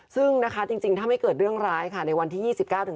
ซึ่งจริงถ้าไม่เกิดเรื่องร้ายในวันที่๒๙๓๐